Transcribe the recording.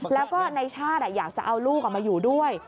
แล้วก็ในชาติอยากจะเอาลูกมาอยู่ด้วย